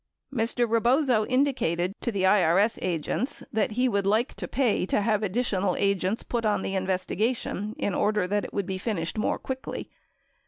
80 Mr. Rebozo indicated to the IRS agents that he would like to pay to have additional agents put on the investigation in order that it would be finished more quickly.